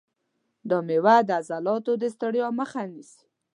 دا مېوه د عضلاتو د ستړیا مخه نیسي.